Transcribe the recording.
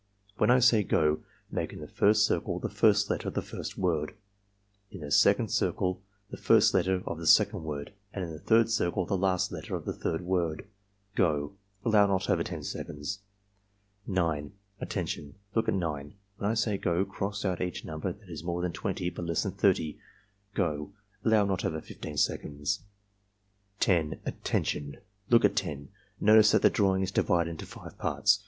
When I say 'go' make in the^rs^ circle the first letter of the first word: in the second circle the first letter of the second word, and in the third circle the last letter of the third word. — Go!" (Allow not over 10 seconds.) 9. "Attention! Look at 9. When I say 'go' cross out each number that is more than 20 but less than 30. — Go!" (Allow not over 15 seconds.) 10. "Attention! Look at 10. Notice that the drawing is divided into five parts.